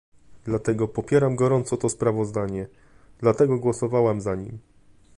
Dlatego popieram gorąco to sprawozdanie, dlatego głosowałam za nim